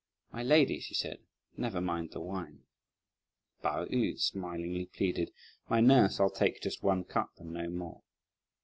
"My lady," she said, "never mind the wine." Pao yü smilingly pleaded: "My nurse, I'll take just one cup and no more."